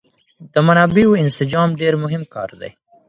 د منابعو انسجام ډېر مهم کار دی.